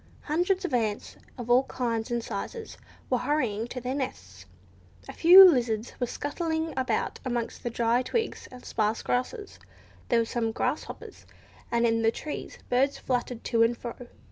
Hundreds of ants, of all kinds and sizes, were hurrying to their nests; a few lizards were scuttling about amongst the dry twigs and sparse grasses; there were some grasshoppers, and in the trees birds fluttered to and fro.